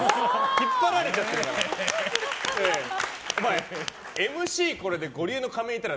引っ張られちゃってるから。